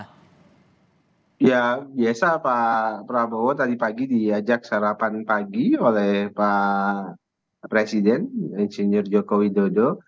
ya biasa pak prabowo tadi pagi diajak sarapan pagi oleh pak presiden insinyur joko widodo